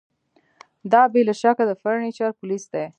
دا بې له شکه د فرنیچر پولیس دي